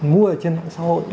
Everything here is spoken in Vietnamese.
mua trên mạng xã hội